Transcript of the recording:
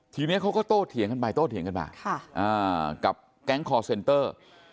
ทีนี้เขาก็โตเถียงกันไปโต้เถียงกันมากับแก๊งคอร์เซนเตอร์